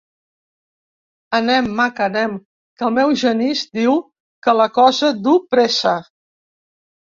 Anem, maca, anem, que el meu Genís diu que la cosa du pressa.